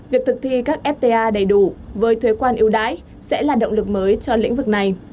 việc thực thi các fta đầy đủ với thuế quan yêu đái sẽ là động lực mới cho lĩnh vực này